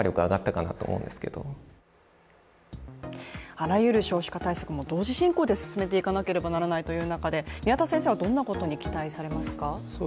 あらゆる少子化対策も同時進行で進めていかなければならないという中で、宮田先生はどんなことに期待されますか？